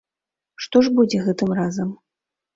Што ж будзе гэтым разам?